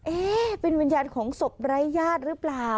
เอ๊เป็นวิญญาณของศพไร้ญาติหรือเปล่า